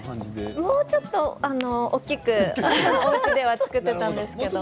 もうちょっと大きくおうちでは作っていたんですけれども。